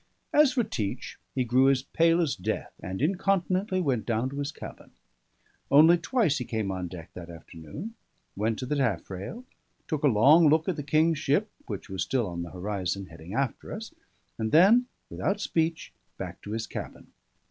As for Teach, he grew as pale as death, and incontinently went down to his cabin. Only twice he came on deck that afternoon; went to the taffrail; took a long look at the King's ship, which was still on the horizon heading after us; and then, without speech, back to his cabin.